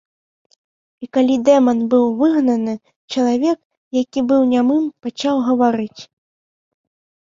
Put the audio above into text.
І калі дэман быў выгнаны, чалавек, які быў нямым пачаў гаварыць.